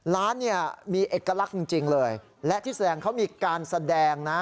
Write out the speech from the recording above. ร้านเนี่ยมีเอกลักษณ์จริงเลยและที่แสดงเขามีการแสดงนะ